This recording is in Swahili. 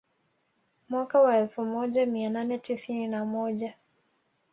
Mweaka wa elfu moja mia nane tisini na moja